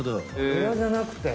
エラじゃなくて。